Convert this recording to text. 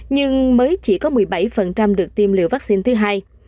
nhưng mới chỉ có một mươi bảy được tiêm liều vắc xin thứ hai